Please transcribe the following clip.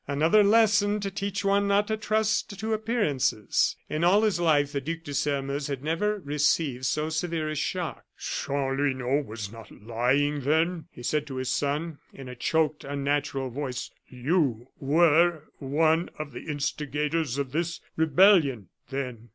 Another lesson to teach one not to trust to appearances." In all his life the Duc de Sairmeuse had never received so severe a shock. "Chanlouineau was not lying, then," he said to his son, in a choked, unnatural voice; "you were one of the instigators of this rebellion, then?"